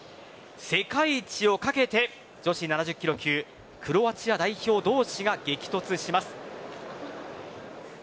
世界一を懸けて女子７０キロ級クロアチア代表同士が激突します。